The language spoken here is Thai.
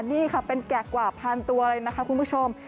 นี่ค่ะเป็นแกะกว่าพันตัวเลยนะคะคุณผู้ชม